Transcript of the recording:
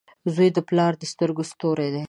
• زوی د پلار د سترګو ستوری وي.